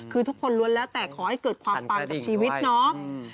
คือทุกคนล้วนแล้วแต่ขอให้เกิดความปังกับชีวิตเนาะ